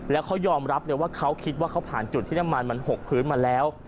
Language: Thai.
แล้วเขายอมรับเลยว่าเขาคิดว่าเขาผ่านจุดที่น้ำมันมันหกพื้นมาแล้ว